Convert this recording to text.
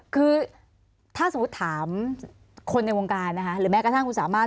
คือถ้าสมมุติถามคนในวงการนะคะหรือแม้กระทั่งคุณสามารถ